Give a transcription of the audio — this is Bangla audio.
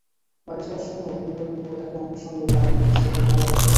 বাড়ি যাওয়ার সময়ও পরিবারগুলো একে অন্যের সঙ্গে গাড়ি, মোটরসাইকেল ভাগাভাগি করে।